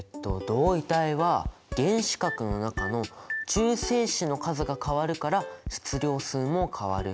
同位体は原子核の中の中性子の数が変わるから質量数も変わる。